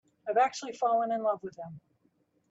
I've actually fallen in love with him.